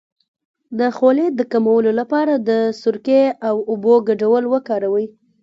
د خولې د کمولو لپاره د سرکې او اوبو ګډول وکاروئ